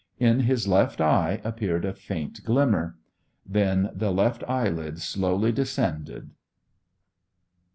In his left eye appeared a faint glimmer. Then the left eyelid slowly descended.